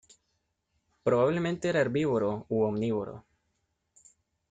Probablemente era herbívoro u omnívoro.